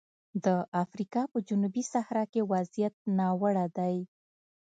د افریقا په جنوبي صحرا کې وضعیت ناوړه دی.